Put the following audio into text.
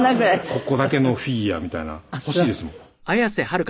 ここだけのフィギュアみたいな欲しいですもん。